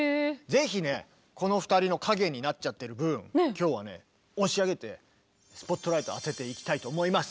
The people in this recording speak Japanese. ぜひねこの２人の陰になっちゃってる分今日はね押し上げてスポットライトを当てていきたいと思います。